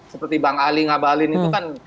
seperti bang ali ngabalin itu kan